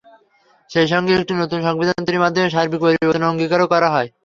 সেই সঙ্গে একটি নতুন সংবিধান তৈরির মাধ্যমে সার্বিক পরিবর্তনের অঙ্গীকারও করা হয়।